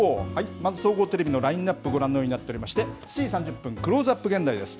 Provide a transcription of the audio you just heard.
まず総合テレビのラインナップご覧のようになっておりまして、７時３０分、クローズアップ現代です。